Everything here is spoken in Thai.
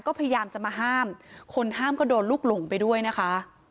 ก็พยายามจะมาห้ามคนห้ามก็โดนลูกหลงไปด้วยนะคะ